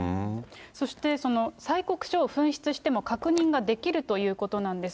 そしてその催告書を紛失しても確認ができるということなんです。